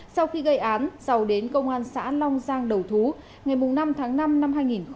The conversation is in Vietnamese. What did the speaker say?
sau khi gây án dầu đến công an xã long giang đầu thú ngày năm tháng năm năm hai nghìn hai mươi ba